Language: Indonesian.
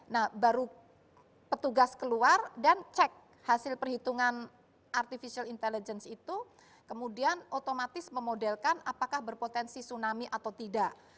nah baru petugas keluar dan cek hasil perhitungan artificial intelligence itu kemudian otomatis memodelkan apakah berpotensi tsunami atau tidak